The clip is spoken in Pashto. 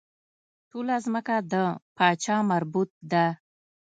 ټوله ځمکه د پاچا مربوط ده.